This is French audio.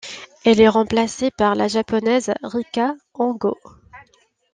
Elle est remplacée par la japonaise Rika Hongo.